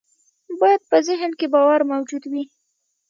بايد په ذهن کې باور موجود وي.